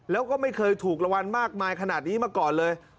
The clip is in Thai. แล้วก็ไม่เคยถูกรางวัลมากมายขนาดนี้มาก่อนเลย